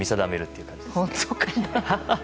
本当かな。